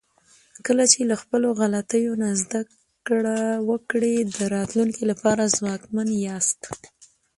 کله چې له خپلو غلطیو نه زده کړه وکړئ، د راتلونکي لپاره ځواکمن یاست.